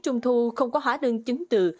trung thu không có hóa đơn chứng từ